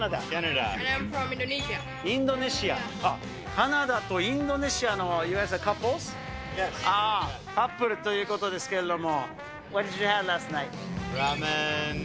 カナダとインドネシアの、カップルということですけども。